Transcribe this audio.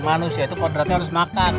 manusia itu kodratnya harus makan